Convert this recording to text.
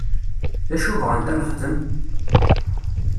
D acu bɣant ad nexdem?